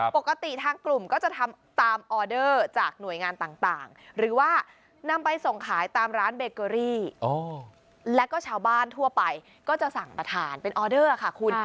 ปกติทางกลุ่มก็จะทำตามออเดอร์จากหน่วยงานต่างหรือว่านำไปส่งขายตามร้านเบเกอรี่แล้วก็ชาวบ้านทั่วไปก็จะสั่งมาทานเป็นออเดอร์ค่ะคุณ